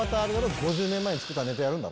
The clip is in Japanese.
５０年前に作ったネタやるんだろ。